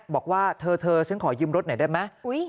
บอกว่าเธอซึ่งขอยืมรถไหนได้ไหม